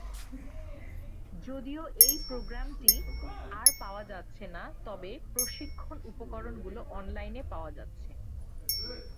যদিও এই প্রোগ্রামটি আর পাওয়া যাচ্ছে না, তবে প্রশিক্ষণ উপকরণগুলো অনলাইনে পাওয়া যাচ্ছে।